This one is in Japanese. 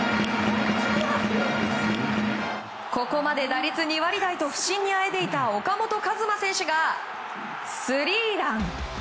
ここまで打率２割台と不振にあえいでいた岡本和真選手がスリーラン。